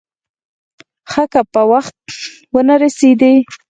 ښه که په وخت ونه رسېدې.